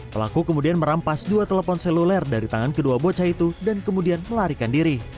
pelaku kemudian merampas dua telepon seluler dari tangan kedua bocah itu dan kemudian melarikan diri